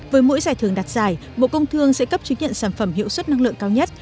với mỗi giải thưởng đặt giải bộ công thương sẽ cấp chứng nhận sản phẩm hiệu suất năng lượng cao nhất